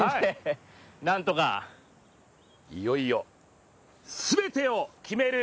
いよいよ全てを決める